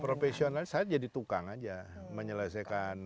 profesional saya jadi tukang aja menyelesaikan